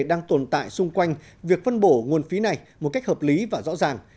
đang tồn tại xung quanh việc phân bổ nguồn phí này một cách hợp lý và rõ ràng